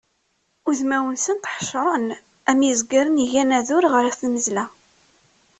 Udmawen-nsent ḥecṛen am yizgaren iggan adur ɣer tmezla.